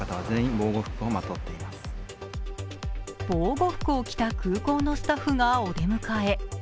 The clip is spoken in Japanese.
防護服を着た空港のスタッフがお出迎え。